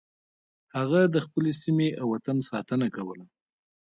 هغه د خپلې سیمې او وطن ساتنه کوله.